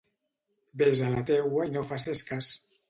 Ves a la teua i no faces cas.